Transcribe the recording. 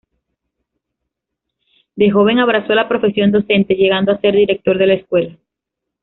De joven abrazó la profesión docente, llegando a ser director de la escuela.